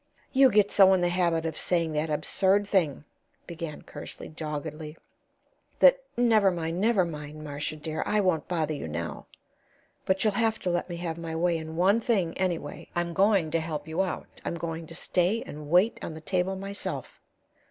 "You get so in the habit of saying that absurd thing," began Kersley, doggedly, "that Never mind, never mind, Marcia dear. I won't bother you now. But you'll have to let me have my way in one thing, anyway I'm going to help you out; I'm going to stay and wait on the table myself."